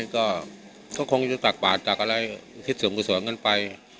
ก็คงจะตักบาดตักอะไรคิดส่วนขุดสวยิ่มกันไป